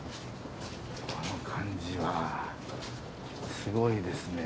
この感じはすごいですね。